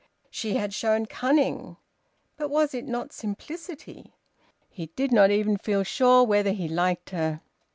She had shown cunning! But was it not simplicity? He did not even feel sure whether he liked her.